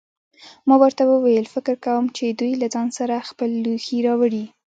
ما ورته وویل: فکر کوم چې دوی له ځان سره خپل لوښي راوړي.